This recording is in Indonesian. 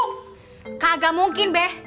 gak mungkin weh